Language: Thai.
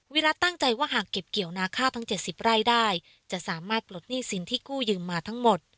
วิรัติตั้งใจว่าหากเก็บเกี่ยวนาข้าวทั้ง๗๐ไร่ได้จะสามารถปลดหนี้สินที่กู้ยืมมาทั้งหมด